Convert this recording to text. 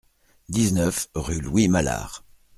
dix-neuf rue Louis Mallard